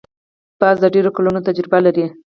باز د ډېرو کلونو تجربه لري